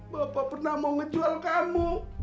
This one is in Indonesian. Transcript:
bapak pernah mau ngejual kamu